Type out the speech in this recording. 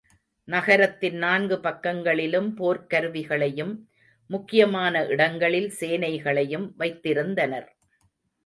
நகரத்தின் நான்கு பக்கங்களிலும் போர்க் கருவிகளையும், முக்கியமான இடங்களில் சேனைகளையும் வைத்திருந்தனர்.